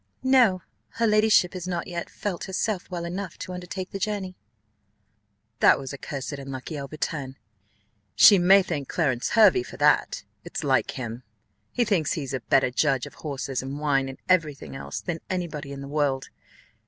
"No: her ladyship has not yet felt herself well enough to undertake the journey." "That was a cursed unlucky overturn! She may thank Clarence Hervey for that: it's like him, he thinks he's a better judge of horses, and wine, and every thing else, than any body in the world.